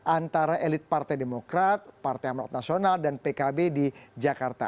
antara elit partai demokrat partai amat nasional dan pkb di jakarta